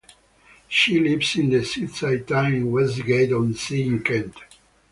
She lives in the seaside town of Westgate-on-Sea in Kent.